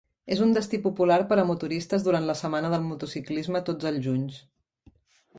És un destí popular per a motoristes durant la setmana del motociclisme tots els junys.